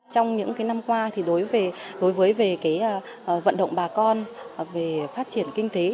trong những năm qua đối với vận động bà con phát triển kinh tế